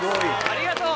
ありがとう。